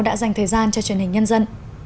đã dành thời gian cho truyền hình nhân dân